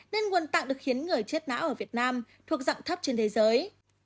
nên nguồn tạng được hiến người chết náo ở việt nam thuộc dạng thấp trên thế giới